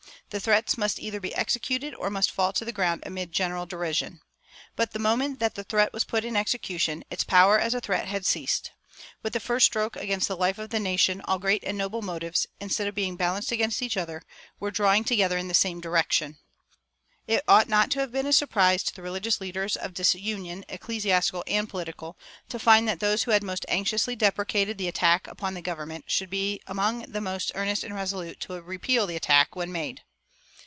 The threats must either be executed or must fall to the ground amid general derision. But the moment that the threat was put in execution its power as a threat had ceased. With the first stroke against the life of the nation all great and noble motives, instead of being balanced against each other, were drawing together in the same direction. It ought not to have been a surprise to the religious leaders of disunion, ecclesiastical and political, to find that those who had most anxiously deprecated the attack upon the government should be among the most earnest and resolute to repel the attack when made.